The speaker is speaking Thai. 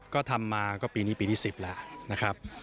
ก็ทำมาก็ปีนี้ปีที่๑๐แล้วนะครับ